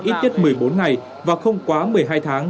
ít nhất một mươi bốn ngày và không quá một mươi hai tháng